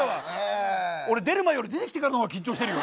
俺出る前より出てきてからのほうが緊張してるよ。